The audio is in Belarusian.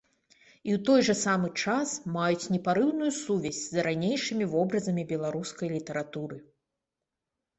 І ў той жа самы час маюць непарыўную сувязь з ранейшымі вобразамі беларускай літаратуры.